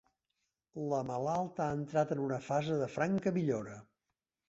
La malalta ha entrat en una fase de franca millora.